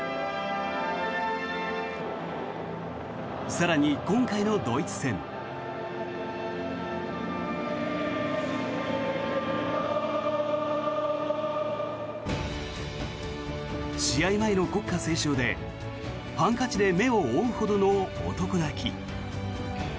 更に、今回のドイツ戦。試合前の国歌斉唱で、ハンカチで目を覆うほどの男泣き。